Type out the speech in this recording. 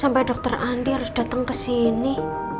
sampai dokter andi harus dateng kesini